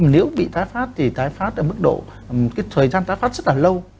nếu bị tái pháp thì tái pháp ở mức độ thời gian tái pháp rất là lâu